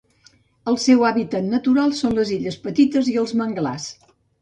El seu hàbitat natural són les illes petites i els manglars.